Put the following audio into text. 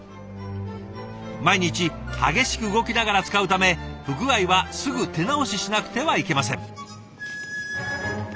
毎日激しく動きながら使うため不具合はすぐ手直ししなくてはいけません。